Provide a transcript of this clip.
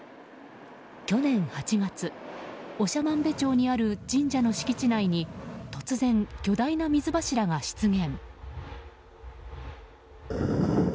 去年８月、長万部町にある神社の敷地内に突然、巨大な水柱が出現。